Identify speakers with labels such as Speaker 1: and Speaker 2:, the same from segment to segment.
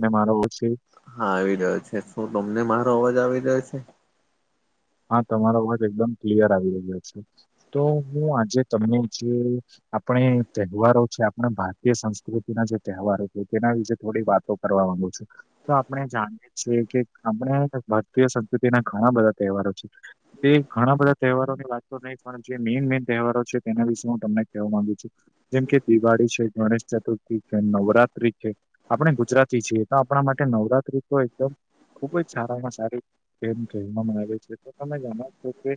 Speaker 1: ને મારો [unintelligible]
Speaker 2: હા આવી રહ્યો છે શું તમને મારો અવાજ આવી રહ્યો છે.
Speaker 1: હા તમારા અવાજ એકદમ ક્લિયર આવી રહ્યો છે તો હું આજે તમને જે આપણે તહેવારો છે આપણા ભારતીય સંસ્કૃતિના જે તહેવારો છે તેના વિશે થોડી વાત તો કરવા માંગુ છે તો આપણે જાણીએ છીએ કે આપણે ભારતીય સંસ્કૃતિના ઘણા બધા તહેવારો છે. તે ઘણા બધા તહેવારોની વાત તો નહી પણ જે મેઈન મેન તહેવારો છે તેના વિશે હું તમને કહેવા માંગુ છું. જેમ કે દિવાળી છે ગણેશ ચતુર્થી નવરાત્રી છે. આપણે ગુજરાતી છીએ તો આપણા માટે નવરાત્રી તો એકદમ ખુબ જ સારામાં સારી ગેમ કહેવામાં આવે છે તો તમે જાણો છો કે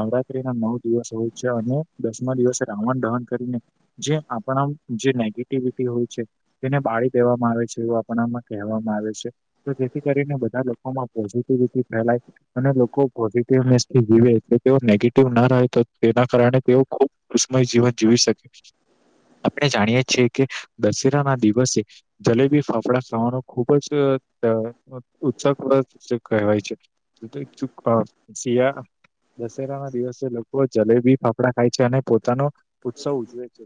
Speaker 1: નવરાત્રી ના નવ દિવસ હોય છે અને દસમા દિવસે રાવણ દહન કરીને જે આપણા જે નેગેટિવિટી હોય છે. તેને બાળી દેવામાં આવે છે એવું આપણામાં કહેવામાં આવે છે. તો જેથી કરીને બધા લોકોમાં પોઝિટિવિટી ફેલાય અને લો કો પોઝિટિવ [unintelligible] જીવે એટલે તેઓ નેગેટિવ ના રહે તો તેના કારણે તેઓ ખૂબ ઉષ્મય જીવન જીવી શકે આપણે જાણીએ છીએ કે દશેરા ના દિવસે જલેબી ફાફડા ખાવાનો ખુબ જ ઉત્સકો કહેવાય છે [unintelligible] શિયાળા દશેરા ના દિવસે લોકો જલેબી ફાફડા ખાય છે અને પોતાનો ઉત્સવ ઉજવે છે.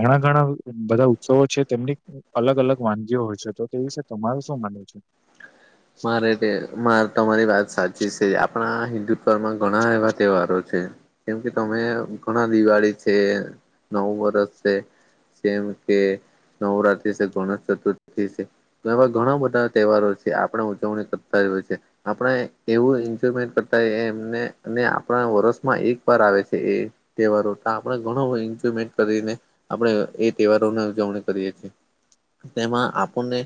Speaker 1: ઘણા ઘણા બધા ઉત્સવો છે તેમની અલગ અલગ વાનગીઓ હોય છે તો તે વિશે તમારું શું માનવુ છે.
Speaker 2: મારેતે માર તમારી વાત સાચી છે, આપણા હિન્દુત્વમાં ઘણા એવા તહેવારો છે. કેમ કે તમે ઘણા દિવાળી છે નવું વર્ષ છે જેમ કે નવરાત્રી શે, ગણેશ ચતુર્થી શે, તો એવા ઘણા બધા તહેવારો છે. આપ પણ ઉજવણી કરતા હોય છે. આપણે એવું એન્જોયમેન્ટ કરતા એમને અને આપણા વર્ષમાં એક વાર આવે છે એ તહેવારો આપણેે ઘણો એન્જોયમેન્ટ કરીને આપડણે એ તહેવારોની ઉજવણી કરીએ છીએ. તેમાં આપણને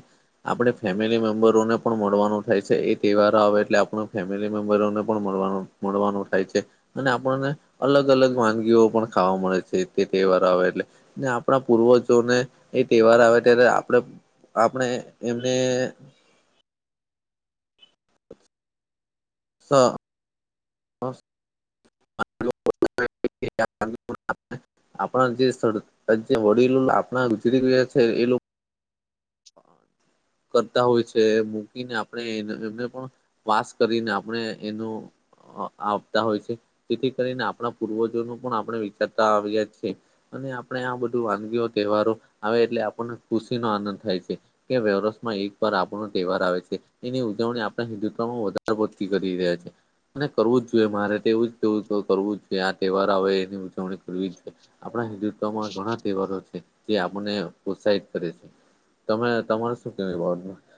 Speaker 2: આપણે ફેમિલી મેમ્બરોને પણ મળવાનું થાય છે, એ તહેવારો આવે એટલે આપણે ફેમિલી મેમ્બરોને પણ મળવા મળવાનું થાય છે. અને આપણને અલગ અલગ વાનગીઓ પણ ખાવા મળે છે, તે તહેવારો આવે એટલે. ને આપણા પૂર્વજોને એ તહેવાર આવે ત્યારે આપણે આપણે એમને સ [unintelligible]
Speaker 1: [inaudible]
Speaker 2: આપણા જે સ્થળ જે વડીલો આપણા ગુજરી ગયા છે એ લોક કરતા હોય છે મૂકીને આપણે એમને પણ વાસ કરીને આપણે એનો આવતા હોય છે, તેથી કરીને આપણા પૂર્વજોનો પણ આપણે વિચારતા આવ્યા છે. અને આપણે આ બધું વાનગીઓ તહેવારો આવે એટલે આપણને ખુશી નો આનંદ થાય છે. કે વ્યવ રસ્ માં એક વાર આપણો તહેવાર આવે છે, એની ઉજવણી આપણા હિન્દુત્વમાં વધારે પડતી કરી રહ્યા છે. અને કરવું જ જોઈએ, મારે તો એવું જવું કરવું જ જોઈએ આ તહેવાર આવે એ જવણી કરવીજ જોઈએ, આપણા હિન્દુત તમા ઘણા તહેવારો છે, જે આપને પ્રત્સાહિત કરે છે, તમે તમા [unintelligible]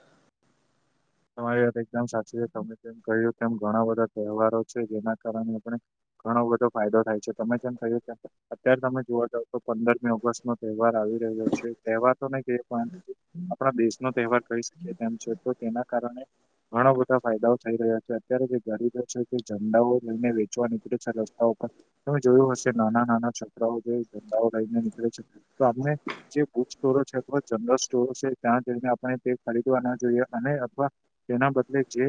Speaker 1: તમારી વાત એકમ સાચી છે, તમે તેમ કહ્યું તેમ ઘણા બધા તહેવારો છે, જેના કારણે આપણે ઘણો બધો ફાયદો થાય છે, તમે જેમ કય્યું તે અત્યારે તમે જોવા જાવ તો પંદરમી ઓગસ્ટ નો તહેવાર આવી રહ્યો છે, તહેવારો ને કે [unintelligible] આપણા દેશનો તહેવાર કહી શકીએ તેમ છે, તો તેના કારણે ઘણા બધા ફાયદાઓ થઈ રહ્યા છે, અત્યારે જે દરિદ્ર છે તે ઝંડાઓ લઈને વેચવા નીકળે છે રસ્તા ઉપર તમે જોયું હશે નાના નાના છોકરાઓ જે ઝંડાઓ લઈને નીકળે છે, તો આપને જે બુક સ્ટોરો છે, અથવા જનરલ સ્ટોરો છે, ત્યાં જઈને આપણે તે ખરીદવા ના જોઈએ અને પણ તેના બદલે જે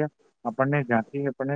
Speaker 1: આપણને જ્યાંથી આપને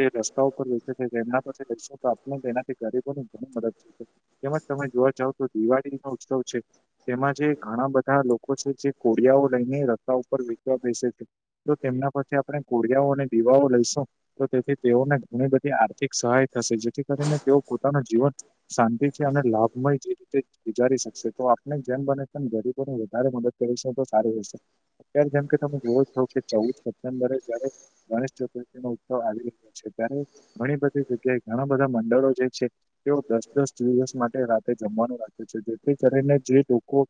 Speaker 1: જે રસ્તા ઉપર વેચે છે એમના પાસે જઈશું તો આપણ એનાથી ગરીબોની ઘણી મદદ થઈ [unintelligible] તેમજ તમે જોવા જાવ તો દિવાળી નો ઉત્સવ છે તેમાં જે ઘણા બધા લોકો છે જે કોડિયાઓ લઈને રસ્તા ઉપર વેચવા બેસે છે. તો તેમના પાછે આપણે કોળિયાઓ અને દીવાઓ લઈશું તો તેથી તેઓને ઘણી બધી આર્થિક સહાય થશે જેથી કરીને તેઓ પોતાનું જીવન શાંતિ થી અને લાભમય જે રીતે ગુજારી શકશે તો આપણે જેમ બને તેમ ગરીબોને વધારે મદદ કરીશું તો સારું રેશે, અત્યારે જેમ કે તમે જોવો છો કે ચૌદ સપ્ટેમ્બરે જયારે ગણેશ ચતુર્થી નો ઉત્સવ આવી રહ્યો છે, ત્યારે ઘણી બધી જગ્યાએ ઘણા બધા મંડળો જે છે તેઓ દસ દસ દિવસ માટે રાતે જમવાનું રાખે છે, જેથી કરીને જે લોકો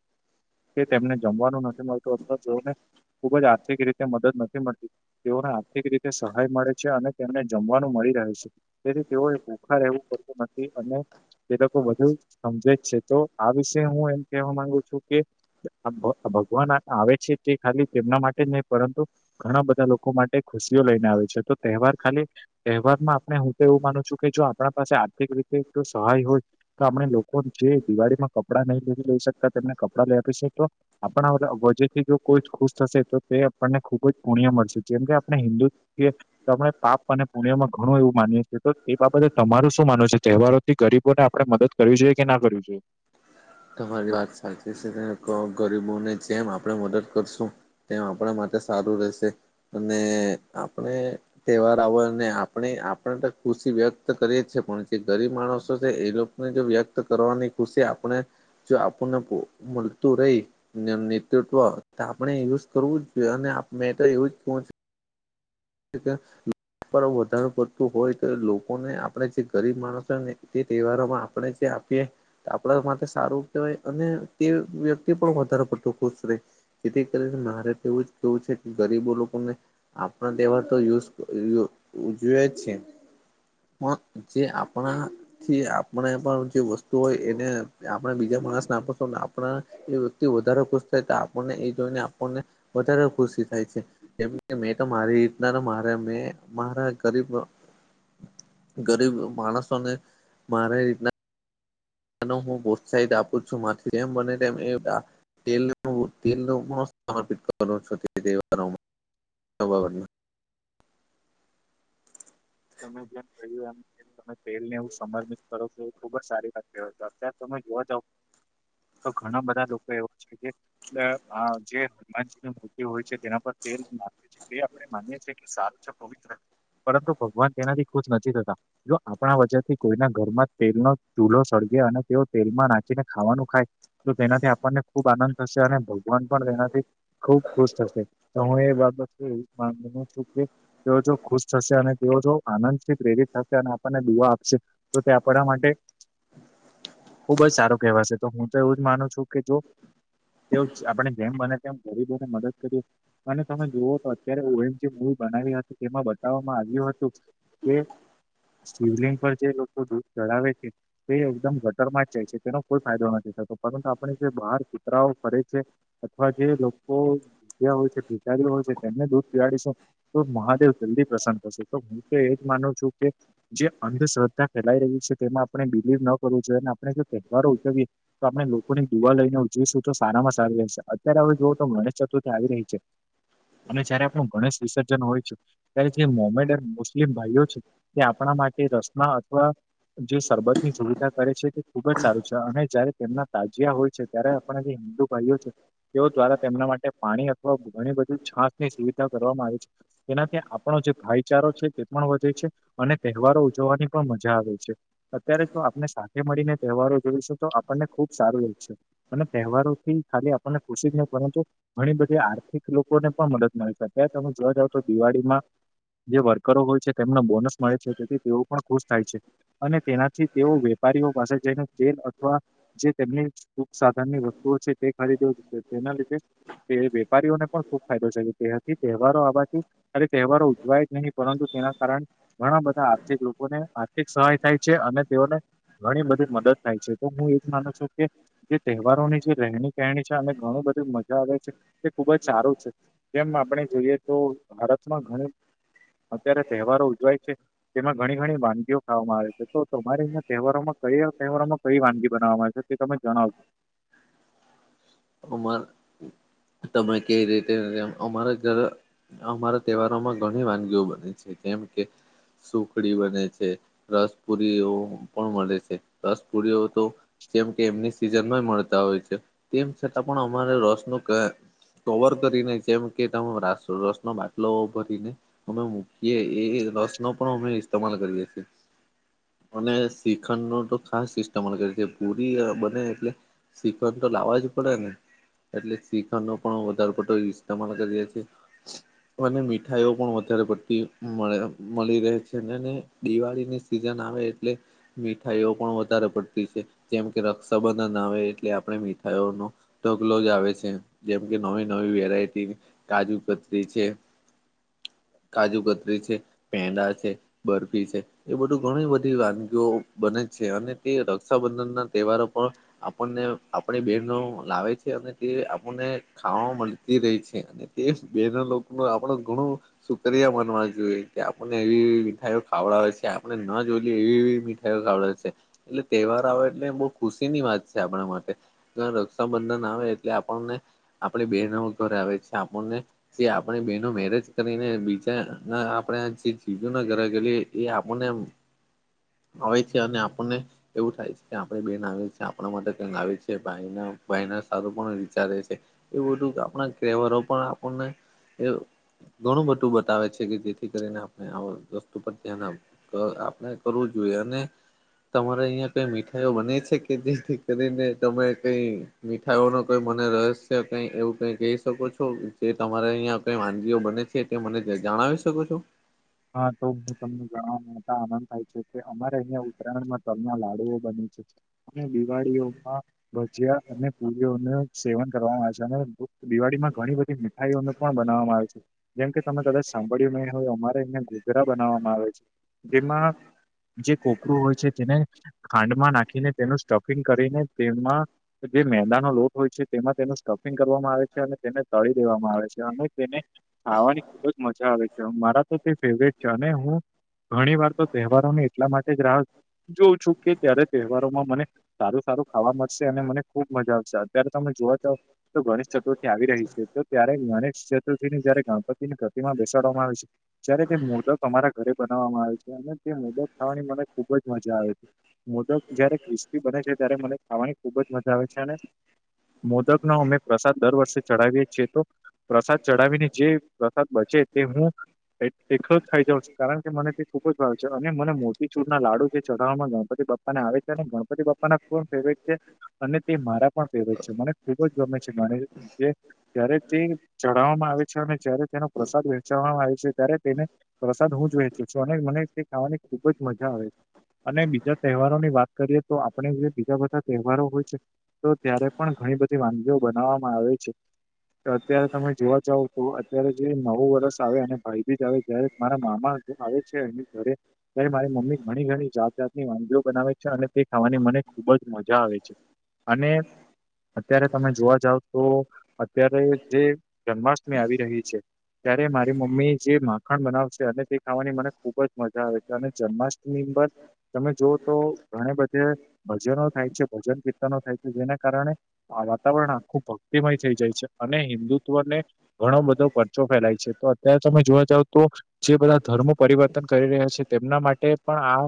Speaker 1: કે તેમને જમવાનું નથી મળતું, અથવા જેઓને ખુબજ આર્થિક રીતે મદદ નથી મળતી તેઓને આર્થિક રીતે સહાય મળે છે અને તેમને જમવાનું મળી રહે શે. તેથી તેઓએ ભૂખા રહેવું પડતું નથી, અને એ લોકો વધુ સમજે જ છે, તો આ વિશે હું એમ કેહેવા માંગુ છું કે કે અનભ ભગવાન આવે છે તે ખાલી તેમના માટે નહી પરંતુ ઘણા બધા લોકો માટે ખુશીઓ લઈને આવે છે, તો તહેવાર ખાલી તહેવારમાં આપણે હું તો એવું માનું છું કે જો આપણા પાસે આર્થિક રીતે જો સહાય હોય તો આપણે લોકો ને જે દિવાળી માં કપડા નહી [unintelligible] લઈ શકતા તેમને કપડાં લઈ આપીશુ કે આપણા વજે થી જો કોઈ જ ખુશ થશે તો તે- - આપણને ખુબ જ પુણ્ય મળશે જેમ કે આપણે હિન્દુ- - તમે પાપ અને પુણિયામાં ઘણું એવું માનીએ છીએ તો એ બાબતે તમારું શું માનો છો તહેવારો- - થી ગરીબો ને આપણે મદદ કરવી જોઈએ કે ના કરવી જોઈએ?
Speaker 2: તમારી વાત સાચી છે ગરીબોને જેમ આપણે મદદ કરશું- - તેમ આપણા માટે સારું રહેશે અને આપણે- - તહેવાર આવેને આપણે આપણે તો ખુશી વ્યક્ત કરીએ પણ જે ગરીબ માણસો છે એ લોકો- - જો વ્યક્ત કરવાની ખુશી આપણે- - જો આપણને મળલતું રહી- - નેતૃત્વ તો આપણે યુજ કરવું જ જોઈએ અને મેં તો એવું જ- - [unintelligible] વધારું પડતું હોય તો લોકોને આપણે જે ગરીબ માણસો ને તે તહેવારોમાં આપણે- - આપીએ- - આપડા માટે સારું કહેવાય અને તે વ્યક્તિ પણ વધારે બધું ખુશ રહે- - જેથી કરીને મારે તો એવું જ કેવું છે કે ગરીબો લોકોને- - તહેવાર તો યુઝ ઉજ છે- - જે આપણા- - થી આપણે પણ જે વસ્તુ હોય એને આપણે બીજા માણસ ના આપશું આપણે- - એ વ્યક્તિ વધારે ખુશ થાય તો આપણને એ જોઈને આપણને વધારે ખુશી થાય છે. કેમ કે મેં તો મારી રીતના તો મારે મેં મારા ગરીબ- - ગરીબ માણસોને મારે રીતના- - હું પ્રોત્સાહિત આપું છું માંથી જેમ બને તેમ - - તલ તલ સમર્પિત કર- -
Speaker 1: તમે જેમ કહ્યું એમ- - તમે તેલને એવું સમર્પિત કરો તો એ ખુબ જ સારી વાત કહેવાય છે અત્યારે તમે જોવા જાવ- - તો ઘણા બધા લોકો એવા છે કે- - જે હનુમાનજીની મૂર્તિ હોય છે તેના પર તેલ ના- - આપણે માનીએ છી સારું છે પવિત્ર પરંતુ ભગવાન તેનાથી ખુશ નથી થતા- - જો આપણા વચન થી કોઈના ઘરમાં તેલનો ચૂલો સળગે અને તેઓ તેલમાં નાચીને ખાવાનું ખાય- - તો તેનાથી આપણને ખુબ આનંદ થશે અને ભગવાન પણ તેનાથી- - ખુબ ખુશ થશે તો હું એ બાબત છું કે તેઓ જો ખુશ થશે અને- - તેઓ જો આનંદથી પ્રેરિત થશે અને આપણને દુઆ આપશે તો તે આપણા માટે- - ખુબજ સારો કહેવાશે તો હું તો એવું જ માનું છું કે જો- - તે આપણે જેમ બને તેમ ગરીબોને મદદ કરીએ. અને તમે જુઓ તો અત્યારે ઓ એમ જે મવી બનાવી હતી એમાં બતાવવામાં આવ્યું હતું- - કે સિવલિંગ પર જે લોકો દૂધ ચડાવે છે. તે એકદમ ગટરમાં જ જાય છે તેનો કોઈ ફાયદો નથી થતો પરંતુ આપણે જે બહાર કુતરાઓ ફરે છે- - અથવા જે લોકો ભધ્યા હોય છે બેચારીઓ હોય છે તેમને દૂધ પીવાડીશ- - તો મહાદેવ જલ્દી પ્રસન કરશે તો હું તો એજ માનું છું કે- - જે અંધશ્રદ્ધા ફેલાઈ રહી છે તેમાં આપણે બિલીવ ના કરવું જોઈએ અને આપણે તહેવારો ઉજવીએ- - તો આપણે લોકોની દુઆ લઈને ઉજવીશું તો સારામાં સારું રહેશે અત્યારે હવે જોઓ તો ગણેશ ચતુર્થી આવી રહી છે- - અને જયારે આપણું ગણેશ વિસર્જન હોય છે ત્યારે જે મોમેડર- - મુસ્લિમ ભાઈઓ છે તે આપણા માટે રસના અથવા- - જે શરબતની સુવિધા કરે છે તે ખુબ જ સારું છે અને જયારે તેમના તાજિયા હોય છે- - ત્યારે આપણા જે હિન્દુ ભાઈઓ છે. તેઓ દ્વારા તેમના માટે પાણી અથવા ઘણી બધી છાાસની સુવિધા કરવામાં આવે છે. તેનાથી આપણા જે ભાઈ. વિચારો છે તે પણ વધે છે અને તહેવારો ઉજવવાની પણ મજા આવે છે. અત્યારે જો આપને સાથે મળીને તહેવારો જોઈશું તો આપણને ખુબ સારું લશે અને તહેવારો થી ખાલી આપણને ખુશી જ નહી પરંતુ. ઘણી બધી આર્થિક લોકોને પણ મદદ મળે છે અત્યારે તમે જોવા જાવ તો દિવાળીમાં જે વર્કરો હોય છે તેમને બોનસ મળે છે તેથી તેઓ પણ ખુશ થાય છે. અને તેનાથી તેઓ વેપારીઓ પાસે જઈને તેલ અથવા જે તેમની સુખ સાધનની વસ્તુઓ છે તે ખરીદશે તેના લીધે તે વેપારીઓને પણ ખુબ ફાયદો છે કે તેથી તહેવારો આવવાથી અને તહેવારો ઉજવાય નહી પરંતુ તેના કારણે ઘણા બધા આર્થિક લોકોને આર્થિક સહાય થાય છે અને તેઓને ઘણી બધી મદદ થાય છે તો હું એજ માનો છું કે જે તહેવારોની જે રહેણી કહેણી છે અને ઘણું બધું મજા આવે છે. તે ખુબ જ સારું છે જેમ આપણે જોઈએ તો ભારતમાં ઘણ અત્યારે તહેવારો ઉજવાય છે. તેમાં ઘણી ઘણી વાનગીઓ ખાવામાં આવે છે તો તમારે અં તહેવારોમાં ક તહેવારોમાં કઈ વાનગી બનાવામાં આવે છે. તે તમે જણાવજો
Speaker 2: અમા તમે કવી રીતે અમારા ઘર અમારા તહેવારોમાં ઘણી વાનગીઓ બને છે કેમ કે સુખડી બને છે રસ પુરીઓ પણ મળે છે રસ પુરીઓ તો જેમ કે એમની સિઝન નય મળતા હોય છે તેમ છતાં પણ અમારે રસ ન કવર કરીને જેમ કે ત રસ ન બાટલો ભરીને અમે મૂકીએ એ રસ નો પણ અમે ઇસ્તેમાલ કરીએ છીએ. અને શીખણ ન તો ખાસ સિસ્ટમ પૂરી બને એટલે શિકન તો લાવવા જ પડેને એટલે શિખર ન પણ વધારે પો ઇસ્માલ કરીએ છી અને મીઠાઈઓ પણ વધારે પડતી મળે મળી રહે છે. દિવાળીની સિઝન આવે એટલે મીઠાઈઓ પણ વધારે પડતી છે જેમ કે રક્ષાબંધન આવે એટલે આપણે મીઠાઈઓ ન કલોજ આવે છે જેમ કે નવી નવી વેરાયટી કાજુ પતરી છે. કાજુ કતરી છે, પેંડા છે, બરફી છે. એ બધું ઘણી બધી વાનગીઓ બને છે અને તે રક્ષાબંધન ના તહેવારો પણ આપણને આપણી બેન ન લાવે છે અને તે આપણને ખાવાવામાં મળતી રહી છે. એ બેન લોકો ન આપડ ઘણું શુક્રિયા માનવા જોઈએ કે આપણને એવીવી મીઠાઈઓ ખાવડાવે છે આપણે ન જોઈએ એવીવી મઠ ખડે છે એટલે તહેવાર આવે એટલે બહ ખુશી ની વાત છે આપણા માટે બંધન આવે એટલે આપણને આપ બહેનો ઘરે આવે છે આપણને એ આપણી બહેનો મેરેજ કરીને બીજા આપણે જે જીજું ને ઘરે કેે એ આપણને
Speaker 1: [inaudible]
Speaker 2: આવે છે અને આપણને એવું થાય છે કે આપે બેહેન આવી છેએ આપણા માટે કક આવે છે ભાઈના ભાઈ સારું પણ વિચારે છે એ બધું આપણા ટવરો પણ આપણને ઘણું બધું બતાવે છે કે જેથી કરીને આપણે આ વસ્તુ પર ધ્યાન આપ આપણે કરવું જોઈએ અને તમારે અહિયાં કઈ મીઠાઈઓ બને છે કે જેથી કરીને તમે કઈ મીઠાઈઓ ન કઈ મને રહસ્ય કઈ એવું કઈ કહી શકો છો જે તમારે અહીં કઈ વાનગીઓ બને છે. તે મને જણાવી શકો છો.
Speaker 1: હા તો હું તમને જાણવા આનંદ થાય છ કે અમારે અહિયાં ઉત્તરાયણમાં તલના લાડુઓ બની છે. અને દિવાળીઓમાં ભજીયા અને પુલીઓનું સેવન કરવામાં આવે છે અને દિવાળી માં ઘણી બધી [unintelligible] પણ બનાવવામાં આવે છે જેમ કે તમે કદાચ સાંભળ્યું નહીં હોય અમારે ગોધરા બનાવામાં આવે છે જેમાં જે કોપરું હોય છે તેને ખાંડમાં નાખીને તેનું સ્ટફિંગ કરીને તેમાં જે મેદાનો લોટ હોય છે તેમાં તેનું સ્કફિંગ કરવામાં આવે છે અને તેને તળી દેવામાં આવે છે અને તેને આવાની ખુબ જ મજા આવે છે મારા તે ફેવરેટ છે અને હું ઘણી વાર તો તહેવારોને એટલા માટે જ રાહ જોઉં છું કે ત્યારે તહેવારોમાં મને સારું સારું ખાવા મળશે અને મને ખુબ મજા આવશે અત્યારે તમે જોવોતો તો ગણેશ ચતુર્થી આવી રહી છે તો ત્યારે ગણેશ ચતુર્થી ને જયારે ગણપતિની પ્રતિમાં બેસાડવામાં આવે છે જયારે તે મુર્દો તમારા ઘરે બનાવવામાં આવે છે અને તે મોદક ખાવાની મને ખુબ જ મજા આવી હતી મોદક જયારે ક્રિસ્પી બને છે ત્યારે મને ખાવાની ખુબ જ મજા આવે છે અને મોદકનો અમે પ્રસાદ દર વર્ષે ચઢાવીએ છીએ તો પ્રસાદ ચડાવીને જે પ્રસાદ બચે તે હું [unintelligible] ખાઈ જાવ છે કારણ કે મને તે ખોક જ ભાવે છે અને મને મો મોતીચૂર ના લાડુ છે ચઢાવવામાં ગણપતિપાને આવે છે અને ગણપતિ બપ્પાને પણ ફેવરેટ છે અને તે મારા પણ ફેવરેટ છે મને ખુબ જ ગમે છે ત્યારે તે ચઢાવવામાં આવે છે અને જયારે તેનો પ્રસાદ વહેંચવામાં આવે છે ત્યારે તેને પ્રસાદ હું જ વેચું છું અને મને તે ખાવાની ખુબ જ મજા આવે છે અને બીજા તહેવારોની વાત કરીએ તો આપણે જે બીજા બધા તહેવારો હોય છે તો ત્યારે પણ ઘણી બધી વાનગીઓ બનાવવામાં આવે છે તો અત્યારે તમે જોવા જાવ તો અત્યારે જે નવું વરષ આવે અને ભાંઈ બીજ આવે જ્યારે મારા મામા આવે છે એ ઘરે ત્યારે મારી મમ્મી ઘણી ઘણી જાત જાતની વાનગીઓ બનાવે છે અને તે ખાવાની મને ખુબ જ મજા આવે છે અને અત્યારે તમે જોવા જાવ તો અત્યારે જે જન્માષ્ટમી આવી રહી છે ત્યારે મારી મમ્મી જે માખણ બનાવશે અને તે ખાવાની મને ખુબ જ મજા આવે છે અને જન્માષ્ટમી [unintelligible] તમે જોવ તો ઘણી બધે ભજનો થાય છે ભજન કીર્તનો થાય છે જેના કારણે આ વાતાવરણ આખું ભક્તિમય થઈ જાય છે અને હિન્દુત્વને ઘણો બધો પરર્ચો ફેલાય છે તો અત્યારે તમે જોવા જાવ તો જે બધા ધર્મો પરિવર્તન કરી રહ્યા છે તેમના માટે પણ આ